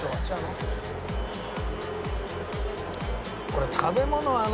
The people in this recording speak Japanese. これ食べ物はな